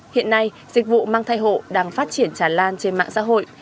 hiện nay dịch vụ mang thai hộ đang phát triển tràn lan trên mạng xã hội